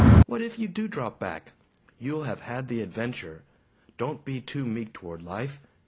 What if you do drop back? You'll have had the adventure. Don't be too meek toward life!